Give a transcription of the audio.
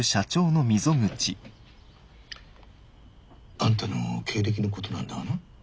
あんたの経歴のことなんだがな